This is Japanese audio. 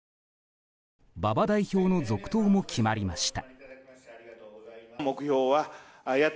馬場代表の続投も決まりました。